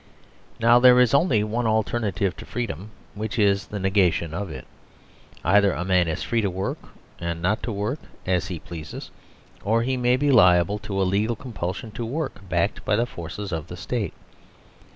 Now there is only one alternative to freedom, which is the negation of it. Either a man is free towork and not to work as he pleases, or he may be liable to a legal compulsion to work, backed by the forces of the State.